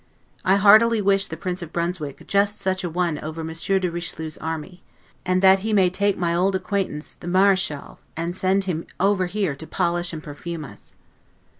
I heartily wish the Prince of Brunswick just such a one over Monsieur de Richelieu's army; and that he may take my old acquaintance the Marechal, and send him over here to polish and perfume us.